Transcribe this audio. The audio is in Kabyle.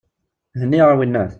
Henni-yaɣ, a winnat!